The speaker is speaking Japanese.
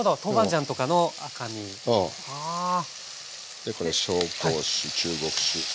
でこれ紹興酒中国酒。